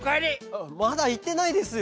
あまだいってないですよ。